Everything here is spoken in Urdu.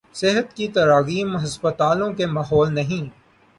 صحت کی تراغیب ہسپتالوں کے ماحول نہیں